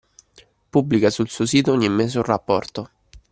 Pubblica sul suo sito ogni mese un rapporto.